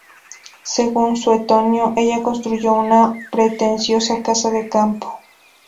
Según Suetonio, ella construyó una pretenciosa casa de campo.